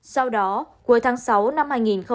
sau đó cuối tháng sáu năm hai nghìn một mươi bảy